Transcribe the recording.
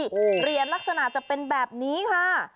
เหรียญลักษณะจะเป็นแบบนี้ค่ะ